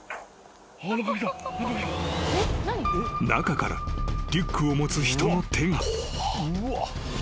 ［中からリュックを持つ人の手が］